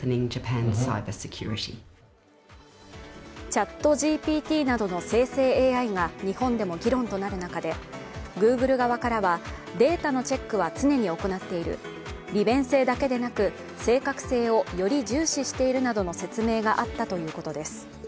ＣｈａｔＧＰＴなどの生成ＡＩが日本でも議論となる中でＧｏｏｇｌｅ側からはデータのチェックは常に行っている、利便性だけでなく正確性をより重視しているなどの説明があったということです。